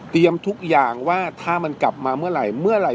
เตรียมทุกอย่างว่าถ้ามันกลับมาเมื่อไหร่